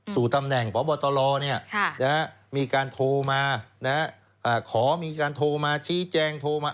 สู่ตำแหน่งพบตรมีการโทรมาขอมีการโทรมาชี้แจงโทรมา